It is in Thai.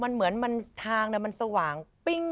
มันเหมือนทางมันสว่างปิ้ง